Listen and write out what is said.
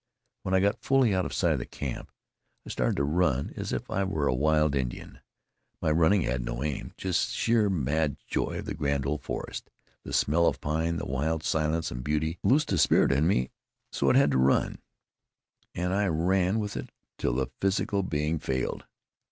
When I got fully out of sight of camp, I started to run as if I were a wild Indian. My running had no aim; just sheer mad joy of the grand old forest, the smell of pine, the wild silence and beauty loosed the spirit in me so it had to run, and I ran with it till the physical being failed.